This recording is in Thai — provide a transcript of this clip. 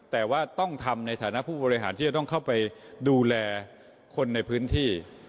แต่ว่าต้องทำในฐานะผู้บริหารที่จะต้องเข้าไปดูแลคนในพื้นที่